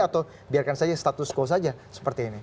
atau biarkan saja status quo saja seperti ini